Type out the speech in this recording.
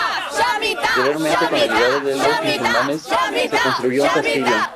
Posteriormente, con la llegada de los musulmanes, se construyó un castillo.